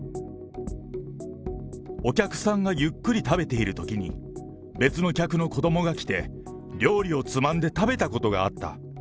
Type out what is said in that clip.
お客さんがゆっくり食べているときに、別の客の子どもが来て、料理をつまんで食べたことがあった。